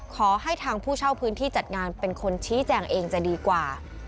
ขอให้ทางผู้เช่าพื้นที่จัดงานเป็นคนชี้แจงเองจะดีกว่า